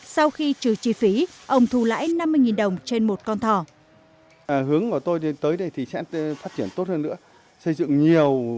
sau khi trừ chi phí ông thu lãi năm mươi đồng trên một con thỏ